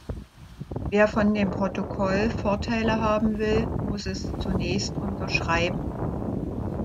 Wer von dem Protokoll Vorteile haben will, muss es zunächst unterschreiben.